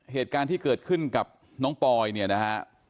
เหตุการณ์ที่เกิดขึ้นกับน้องปอยเนี่ยนะฮะ